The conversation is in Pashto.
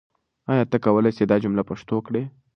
آیا ته کولای سې دا جمله پښتو کړې؟